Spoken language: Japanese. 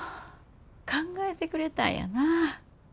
考えてくれたんやな。